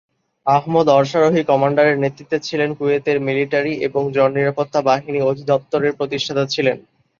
আহমদ অশ্বারোহী কমান্ডারের নেতৃত্বে ছিলেন, কুয়েতের মিলিটারি এবং জন নিরাপত্তা বাহিনী অধিদপ্তরের প্রতিষ্ঠাতা ছিলেন।